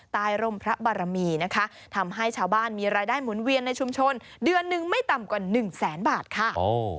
ร่มพระบารมีนะคะทำให้ชาวบ้านมีรายได้หมุนเวียนในชุมชนเดือนหนึ่งไม่ต่ำกว่าหนึ่งแสนบาทค่ะ